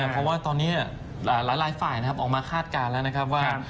เพราะว่าตอนนี้หลายฝ่ายออกมาคาดการณ์แล้วนะครับว่า